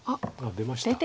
出ました。